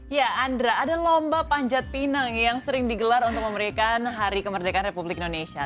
ya andra ada lomba panjat pinang yang sering digelar untuk memberikan hari kemerdekaan republik indonesia